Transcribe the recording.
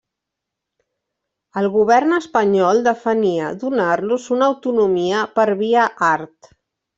El govern espanyol defenia donar-los una autonomia per via art.